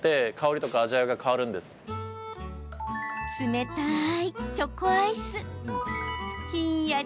冷たいチョコアイスひんやり